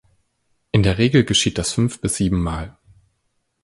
In der Regel geschieht das fünf- bis siebenmal.